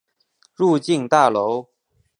入境大楼